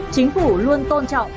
chính phủ luôn tôn trọng